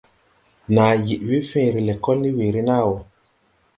Nàa yed we fẽẽre lɛkɔl ne weere nàa wɔ.